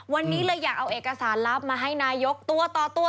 วันนี้เลยอยากเอาเอกสารลับมาให้นายกตัวต่อตัว